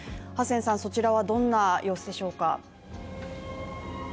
ハセンさん、そちらはどんな様子でしょうか。